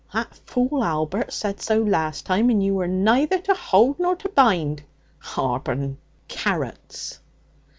That fool Albert said so last time, and you were neither to hold nor to bind. Abron! Carrots!'